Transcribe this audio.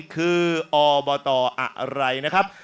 คืออบตอะไรนะครับ